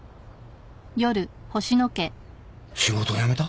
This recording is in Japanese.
仕事を辞めた？